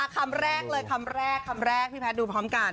คำแรกเลยคำแรกคำแรกพี่แพทย์ดูพร้อมกัน